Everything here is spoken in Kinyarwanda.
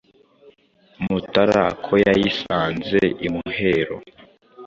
Mutara ko yayisanze imuhero !